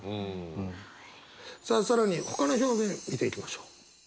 さあ更にほかの表現見ていきましょう。